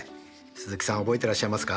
鈴木さん覚えていらっしゃいますか？